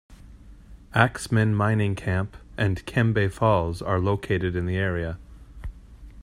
Axmin Mining Camp and Kembe Falls are located in the area.